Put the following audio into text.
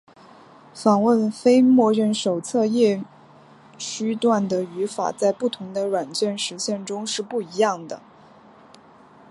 访问非默认手册页区段的语法在不同的软件实现中是不一样的。